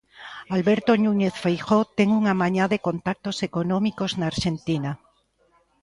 Alberto Núñez Feijóo ten unha mañá de contactos económicos na Arxentina.